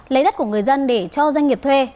lấy đất của người dân để cho doanh nghiệp thuê